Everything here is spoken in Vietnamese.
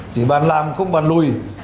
chỉ bàn làm không bàn lùi